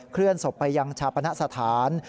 เลื่อนศพไปยังชาปณสถาน